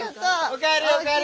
お帰りお帰り。